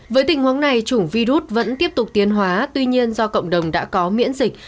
với tình huống này chủng virus vẫn tiếp tục tiến hóa tuy nhiên do cộng đồng đã có miễn dịch